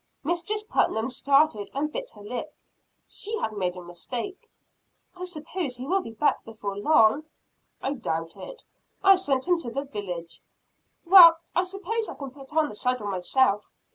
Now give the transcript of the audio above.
Mistress Putnam started and bit her lip. She had made a mistake. "I suppose he will be back before long." "I doubt it. I sent him to the village." "Well, I suppose I can put on the saddle myself.